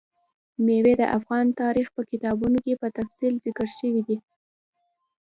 مېوې د افغان تاریخ په کتابونو کې په تفصیل ذکر شوي دي.